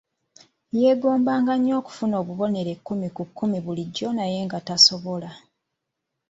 Yeegombanga nnyo okufuna obubonero ekkumi ku kkumi bulijjo naye nga tasobola.